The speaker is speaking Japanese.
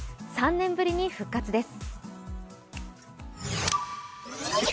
３年ぶりに復活です。